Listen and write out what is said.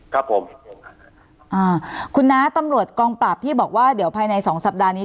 ครับผมอ่าคุณน้าตำรวจกองปราบที่บอกว่าเดี๋ยวภายในสองสัปดาห์นี้